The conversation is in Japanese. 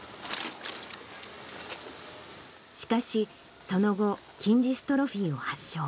しかし、その後、筋ジストロフィーを発症。